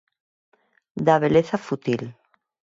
Da beleza fútil.